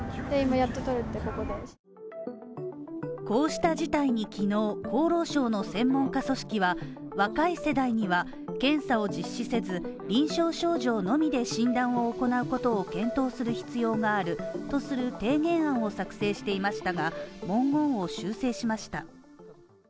こうした事態に昨日厚労省の専門家組織は、若い世代には検査を実施せず、臨床症状のみで診断を行うことを検討する必要があるとする提言案を作成していましたが、文言を修正しました。